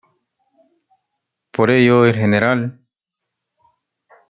Por ello el Gral.